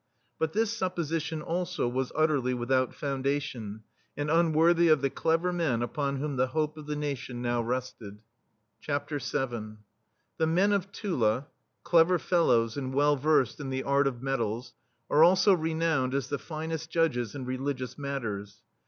But this supposition, also, was utterly without foundation, and unworthy of the clever men upon whom the hope of the nation now rested. l33l THE STEEL FLEA VII The men of Tula, clever fellows and well versed in the art of metals, are also renowned as the finest judges in religious matters.